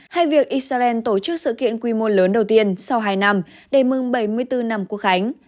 hay việc israel tổ chức sự kiện quy mô lớn đầu tiên sau hai năm để mừng bảy mươi bốn năm quốc khánh